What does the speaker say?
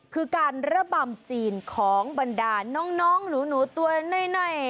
คือการระบำจีนของบรรดาน้องหนูตัวน้อย